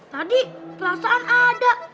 tadi perasaan ada